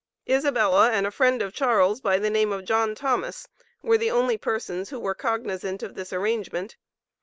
Isabella and a friend of Charles, by the name of John Thomas, were the only persons who were cognizant of this arrangement.